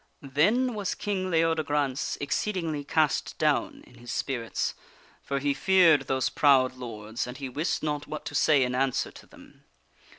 Then was King Leodegrance exceedingly cast down in his spirits, for he feared those proud lords and he wist not what to say in answer to them.